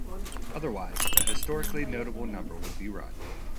Otherwise a historically notable number would be run.